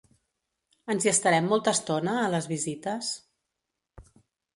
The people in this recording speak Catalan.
¿Ens hi estarem molta estona, a les visites?